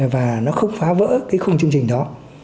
và nó không phá vỡ khung chương trình đó